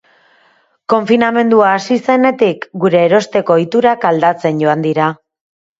Konfinamendua hasi zenetik, gure erosteko ohiturak aldatzen joan dira.